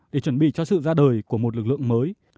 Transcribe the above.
để chuẩn bị cho sự ra đời của một lực lượng mới